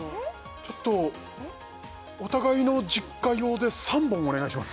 ちょっとお互いの実家用で３本お願いします